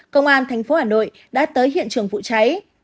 công an thành phố hà nội đã tới hiện trường vụ cháy